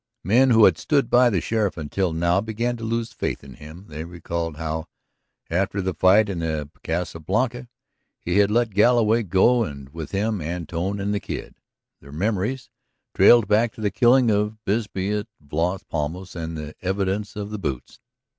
Men who had stood by the sheriff until now began to lose faith in him. They recalled how, after the fight in the Casa Blanca, he had let Galloway go and with him Antone and the Kid; their memories trailed back to the killing of Bisbee of Las Palmas and the evidence of the boots.